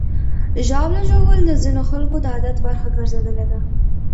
ژاوله ژوول د ځینو خلکو د عادت برخه ګرځېدلې ده.